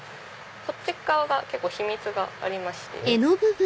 こっち側が秘密がありまして。